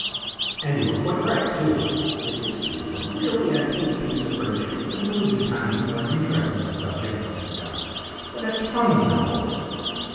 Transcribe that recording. And you are quite right, too; the history of a really antique piece of furniture is a million times more interesting a subject to discuss than a ton of gold.